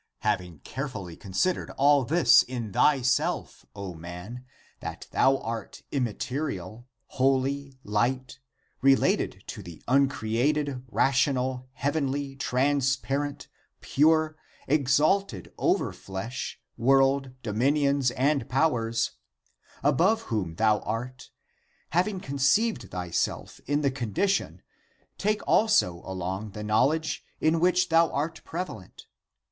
Having carefully considered all this in thyself, O man, that thou art immaterial, holy, light, related to the uncreated, ra tional, heavenly, transparent, pure, exalted over flesh, world, dominions, and powers, above whom thou art, having conceived thyself in the condition, take also along the knowledge, in which thou art prevalent.